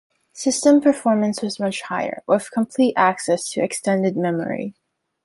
System performance was much higher, with complete access to extended memory.